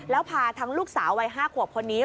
แล้วพาทั้งลูกสาววัย๕ขวบคนนี้